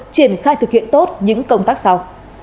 triển khai thực hiện tốt những công tác sau